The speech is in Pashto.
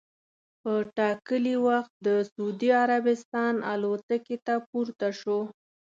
په ټا کلي وخت د سعودي عربستان الوتکې ته پورته سو.